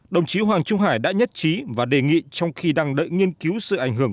đồng chí hoàng trung hải đã nhất trí và đề nghị trong khi đang đợi nghiên cứu sự ảnh hưởng